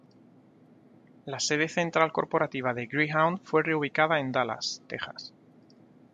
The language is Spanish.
La sede central corporativa de Greyhound fue reubicada en Dallas, Texas.